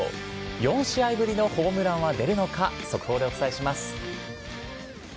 ４試合ぶりのホームランは出るのか、速報でお伝えします。